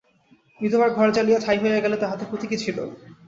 বিধবার ঘর জ্বালিয়া ছাই হইয়া গেলে তাহাতে ক্ষতি কী ছিল।